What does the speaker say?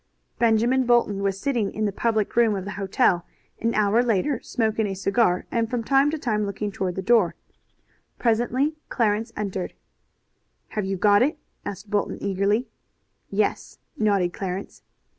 Benjamin Bolton was sitting in the public room of the hotel an hour later, smoking a cigar, and from time to time looking toward the door. Presently Clarence entered. "Have you got it?" asked Bolton eagerly. "Yes," nodded Clarence.